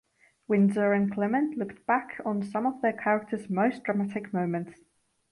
Windsor and Clement looked back on some of their characters' most dramatic moments.